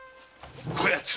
こやつ！